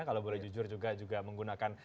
kalau boleh jujur juga juga menggunakan